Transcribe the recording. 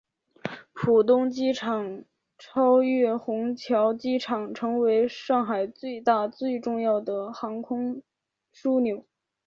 浦东机场超越虹桥机场成为上海最大最重要的航空枢纽。